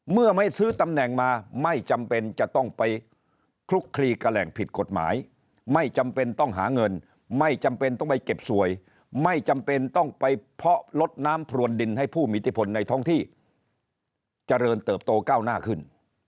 เมื่อไม่ซื้อตำแหน่งมาไม่จำเป็นจะต้องไปคลุกคลีกับแหล่งผิดกฎหมายไม่จำเป็นต้องหาเงินไม่จำเป็นต้องไปเก็บสวยไม่จำเป็นต้องไปเพาะลดน้ำพรวนดินให้ผู้มีอิทธิพลในท้องที่เจริญเติบโตก้าวหน้าขึ้น